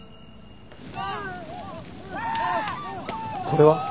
「」これは？